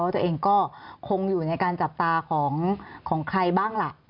ตัวเองก็คงอยู่ในการจับตาของใครบ้างล่ะ